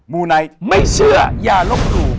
มูไนท์ไม่เชื่ออย่ารับรู้